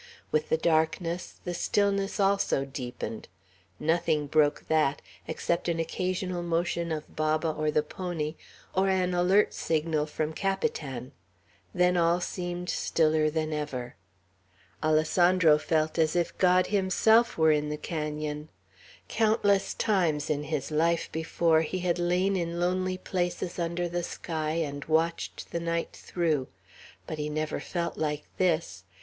With the darkness, the stillness also deepened. Nothing broke that, except an occasional motion of Baba or the pony, or an alert signal from Capitan; then all seemed stiller than ever. Alessandro felt as if God himself were in the canon. Countless times in his life before he had lain in lonely places under the sky and watched the night through, but he never felt like this.